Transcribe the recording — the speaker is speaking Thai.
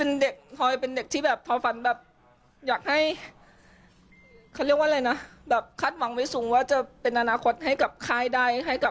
โทยเป็นเด็กที่ทอฟันอยากให้คาดหวังวิสูงว่าเป็นอนาคตให้กับคายได้